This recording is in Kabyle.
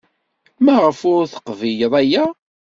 Maɣef ur teqbileḍ aya?